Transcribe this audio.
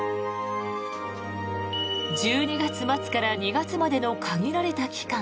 １２月末から２月までの限られた期間